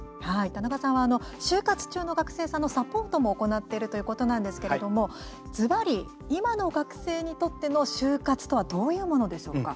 田中さんは就活中の学生さんのサポートも行っているということなんですけれども、ずばり、今の学生にとっての就活とはどういうものでしょうか。